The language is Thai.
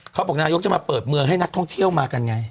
เขาบอกนายกจะมาเปิดเมืองให้นักท่องเที่ยวมากันไง